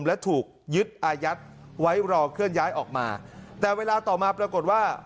และถูกยึดอายัดไว้รอเคลื่อนย้ายออกมาแต่เวลาต่อมาปรากฏว่า